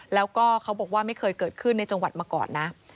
แล้วก็เขาบอกว่าไม่เคยเกิดขึ้นในจังหวัดมาก่อนนะ